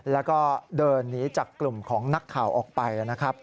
แล้วก็เดินหนีจากกลุ่มของนักข่าวออกไปนะครับ